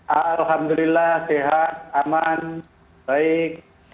alhamdulillah sehat aman baik